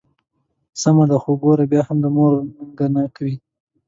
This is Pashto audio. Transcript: سمه ده، خو ګوره بیا به د مور ننګه نه کوې.